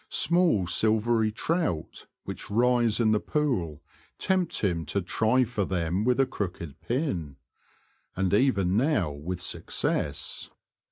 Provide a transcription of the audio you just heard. Small silvery trout, which rise in the pool, tempt him to try for them with a crooked pin, and even now with success.